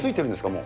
もう。